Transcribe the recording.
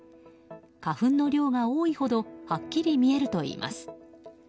花粉の量が多いほどはっきり見えるといいます。